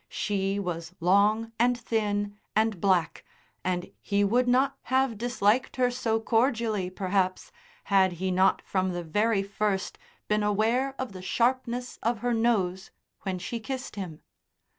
She was long and thin and black, and he would not have disliked her so cordially, perhaps, had he not from the very first been aware of the sharpness of her nose when she kissed him.